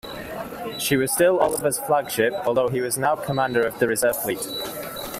She was still Oliver's flagship, although he was now commander of the Reserve Fleet.